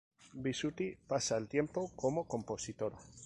Bisutti pasa el tiempo como compositora.